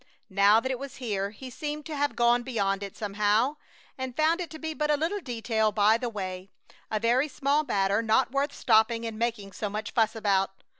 Now that it was here he seemed to have gone beyond it, somehow, and found it to be but a little detail by the way, a very small matter not worth stopping and making so much fuss about.